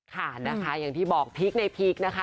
ค่ะนะคะอย่างที่บอกพีคในพีคนะคะ